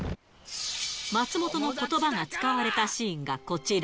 松本のことばが使われたシーンがこちら。